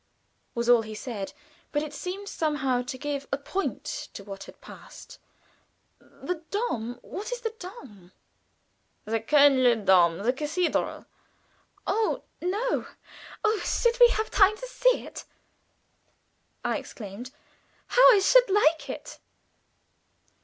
was all he said; but it seemed somehow to give a point to what had passed. "The Dom what is the Dom?" "The Kölner Dom; the cathedral." "Oh, no! Oh, should we have time to see it?" I exclaimed. "How I should like it!"